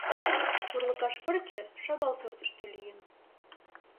Урлыкаш пырче шагал суртышто лийын.